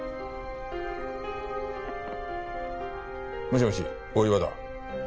もしもし大岩だ。